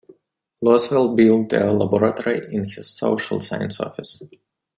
Lasswell built a laboratory in his social science office.